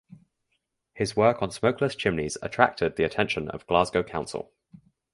His work on smokeless chimneys attracted the attention of Glasgow council.